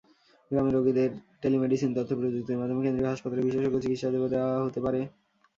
গ্রামের রোগীদের টেলিমেডিসিন তথ্যপ্রযুক্তির মাধ্যমে কেন্দ্রীয় হাসপাতালের বিশেষজ্ঞ চিকিৎসাসেবা দেওয়া যেতে পারে।